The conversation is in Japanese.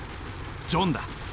ジョンだ。